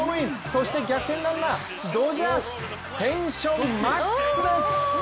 そして、逆転ランナードジャース、テンションマックスです！